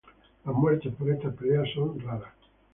Las muertes por estas peleas son raras.